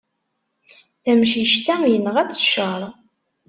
Tamcict-a yenɣa-tt cceṛ.